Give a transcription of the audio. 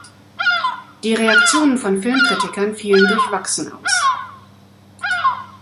Die Reaktionen von Filmkritikern fielen durchwachsen aus.